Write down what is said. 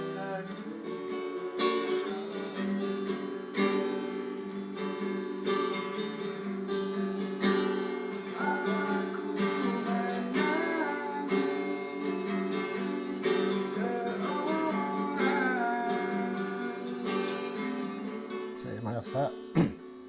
di mana malamku aku menangis seorang diri